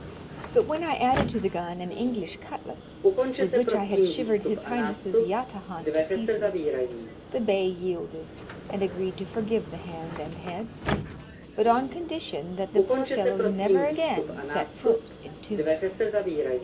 But when I added to the gun an English cutlass with which I had shivered his highness's yataghan to pieces, the Bey yielded, and agreed to forgive the hand and head, but on condition that the poor fellow never again set foot in Tunis.